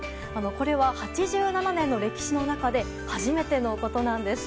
これは８７年の歴史の中で初めてのことなんです。